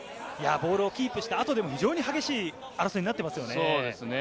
ボールをキープして、後でも非常に激しい争いになっていますね。